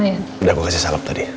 udah aku kasih salep tadi